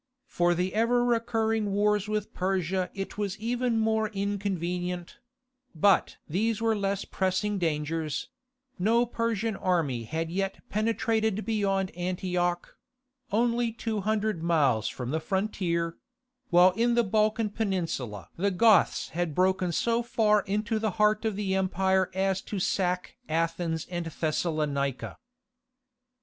For the ever recurring wars with Persia it was even more inconvenient; but these were less pressing dangers; no Persian army had yet penetrated beyond Antioch—only 200 miles from the frontier—while in the Balkan Peninsula the Goths had broken so far into the heart of the empire as to sack Athens and Thessalonica.